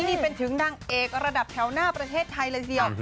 นี่เป็นถึงนางเอกระดับแถวหน้าประเทศไทยเลยทีเดียว